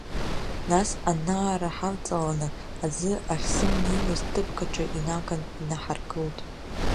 Нас анаара ҳавҵаланы, аӡы ахьзымнеиуаз ҭыԥк аҿы инаган инаҳаргылт.